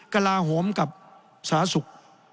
กระลาโหมกับสาสุก